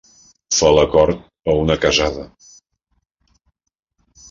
Fa la cort a una casada.